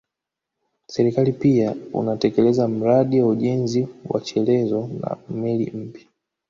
Serikali pia unatekeleza mradi wa ujenzi wa chelezo na meli mpya